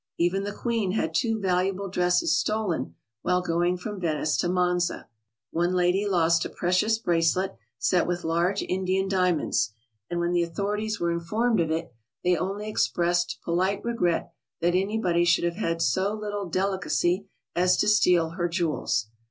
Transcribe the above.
Even the Queen had two valuable dresses stolen while going from Venice to ■ Monza. One lady lost a precious bracelet, set with large Indian diamonds, and when the authorities were informed of it, they only expressed polite regret that anybody should have had "so little delicacy'' as to steal her jewels.